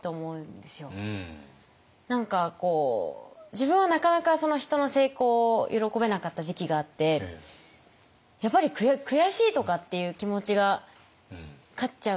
自分はなかなか人の成功を喜べなかった時期があってやっぱり悔しいとかっていう気持ちが勝っちゃうんですよ。